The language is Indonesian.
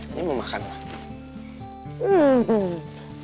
ini mau makan mak